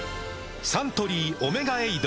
サントリー「オメガエイド」